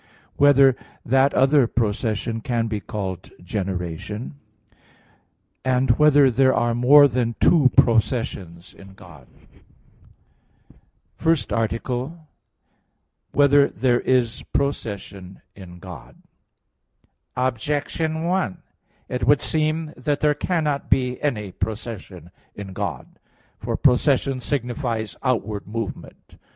(4) Whether that other procession can be called generation? (5) Whether there are more than two processions in God? _______________________ FIRST ARTICLE [I, Q. 27, Art. 1] Whether There Is Procession in God? Objection 1: It would seem that there cannot be any procession in God. For procession signifies outward movement.